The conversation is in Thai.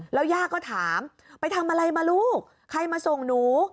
แล้วย่าก็ถามไปทำอะไรมาลูกใครมาส่งหนู